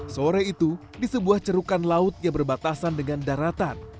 sore itu di sebuah cerukan laut yang berbatasan dengan daratan